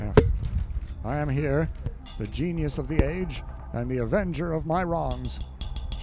F. I am here, the genius of the age, and the avenger of my wrongs.